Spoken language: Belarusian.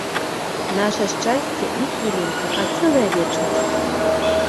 Наша шчасце не хвілінка, а цэлая вечнасць.